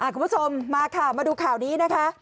คุณผู้ชมมาค่ะมาดูข่าวนี้นะคะ